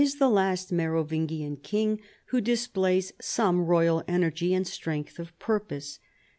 19 the last Merovingian king who displays some royal energy and strength of purpose.